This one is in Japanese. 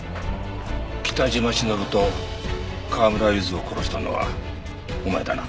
北島しのぶと川村ゆずを殺したのはお前だな。